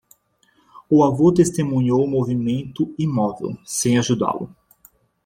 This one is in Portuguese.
O avô testemunhou um movimento imóvel, sem ajudá-lo.